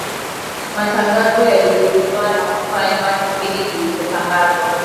matangazo yaligeuzwa na kufanywa kipindi kilichotangazwa